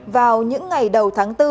vào những ngày đầu tháng ba